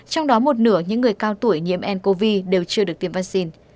trong đó một nửa những người cao tuổi nhiễm ncov đều chưa được tiêm vaccine